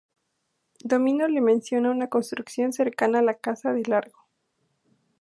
Domino le menciona una construcción cercana a la casa de Largo.